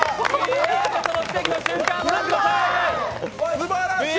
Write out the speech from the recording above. その奇跡の瞬間をご覧ください。